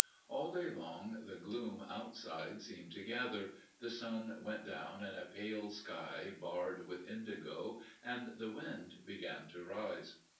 All day long the gloom outside seemed to gather, the sun went down in a pale sky barred with indigo, and the wind began to rise.